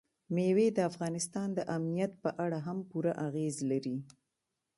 مېوې د افغانستان د امنیت په اړه هم پوره اغېز لري.